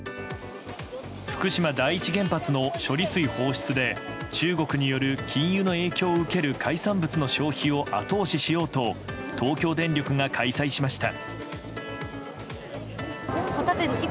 福島第一原発の処理水放出で中国による禁輸の影響を受ける海産物の消費を後押ししようと東京電力が開催しました。